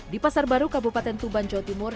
di pasar baru kabupaten tuban jawa timur